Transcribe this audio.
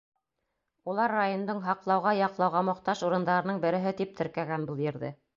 Улар райондың һаҡлауға, яҡлауға мохтаж урындарының береһе тип теркәгән был ерҙе.